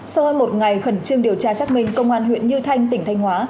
sau hơn một ngày khẩn trương điều tra xác minh công an huyện như thanh tỉnh thanh hóa